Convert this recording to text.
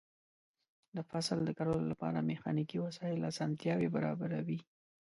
د فصل د کرلو لپاره میخانیکي وسایل اسانتیاوې برابروي.